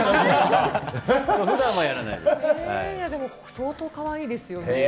相当かわいいですよね。